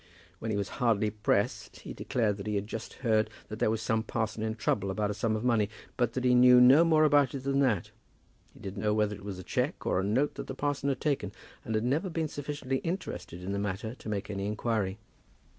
When he was hardly pressed, he declared that he just had heard that there was some parson in trouble about a sum of money; but that he knew no more about it than that. He didn't know whether it was a cheque or a note that the parson had taken, and had never been sufficiently interested in the matter to make any inquiry.